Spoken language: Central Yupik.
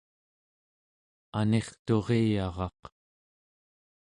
anirturiyaraq